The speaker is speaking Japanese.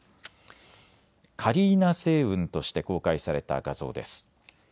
カリーナ星雲として公開された画像です。